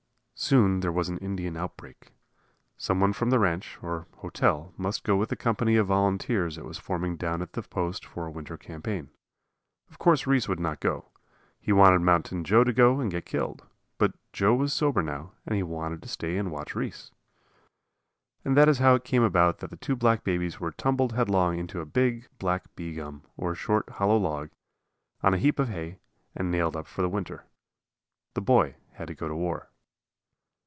Soon there was an Indian outbreak. Some one from the ranch, or "hotel," must go with the company of volunteers that was forming down at the post for a winter campaign. Of course Reese would not go. He wanted Mountain Joe to go and get killed. But Joe was sober now and he wanted to stay and watch Reese. And that is how it came about that the two black babies were tumbled headlong into a big, black bee gum, or short, hollow log, on a heap of hay, and nailed up for the winter. The boy had to go to the war.